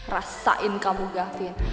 rasain kamu gafin